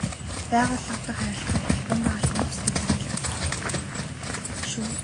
Байгууллага дахь харилцааг албан ба албан бус гэж ангилдаг.